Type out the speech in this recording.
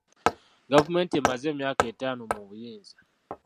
Gavumenti emaze emyaka etaano mu buyinza.